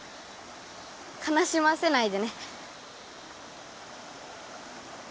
悲しませないでね。